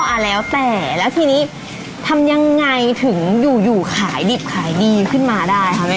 เพราะอ่ะแล้วแต่แล้วทีนี้ทำยังไงถึงอยู่ขายดิบขายดีขึ้นมาได้